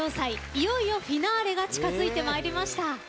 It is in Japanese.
いよいよフィナーレが近づいてまいりました。